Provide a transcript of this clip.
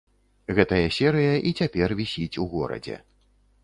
Гэтая серыя і цяпер вісіць у горадзе.